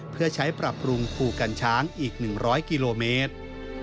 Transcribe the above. ผูกกันช้างอีก๑๐๐กิโลเมตร